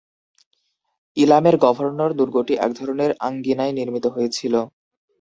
ইলামের governor দুর্গটি এক ধরনের আঙ্গিনায় নির্মিত হয়েছিল।